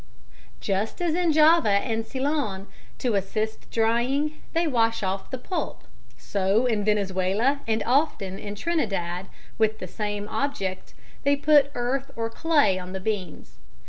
] Just as in Java and Ceylon, to assist drying, they wash off the pulp, so in Venezuela and often in Trinidad, with the same object, they put earth or clay on the beans.